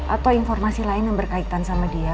atau informasi lain yang berkaitan sama dia